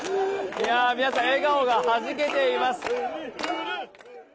皆さん笑顔がはじけています。